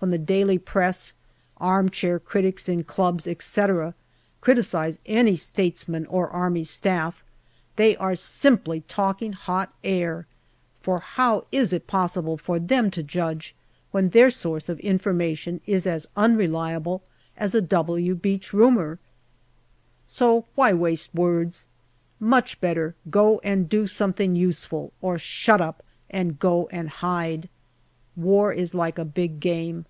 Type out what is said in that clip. When the daily Press, arm chair critics in clubs, etc., criticize any statesman or Army Staff, they are simply talking hot air, for how is it possible for them to judge, when their source of information is as unreliable as a " W" Beach rumour ? So why waste words ? Much better go and do something useful, or shut up and go and hide. War is like a big game.